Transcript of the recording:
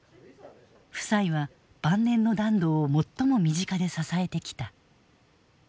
夫妻は晩年の團藤を最も身近で支えてきた。